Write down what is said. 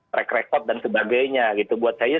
track record dan sebagainya gitu buat saya